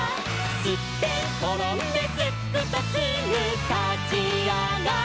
「すってんころんですっくとすぐたちあがる」